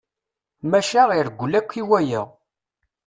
Maca ireggel akk i waya.